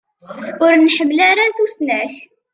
Ur nḥemmel ara tusnakt.